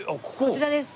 こちらです。